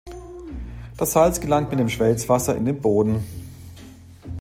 Das Salz gelangt mit dem Schmelzwasser in den Boden.